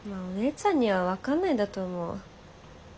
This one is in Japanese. お姉ちゃんには分かんないんだと思う。